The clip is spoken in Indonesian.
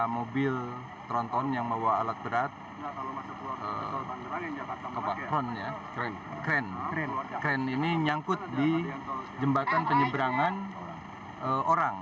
mobil tronton yang bawa alat berat kren ini nyangkut di jembatan penyeberangan orang